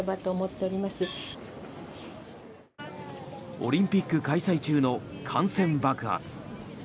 オリンピック開催中の感染爆発。